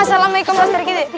assalamualaikum pak serikiti